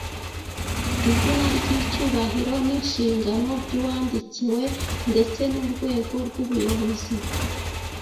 izina ry’icyubahiro n’inshingano by’uwandikiwe ndetse n’urwego rw’ubuyobozi,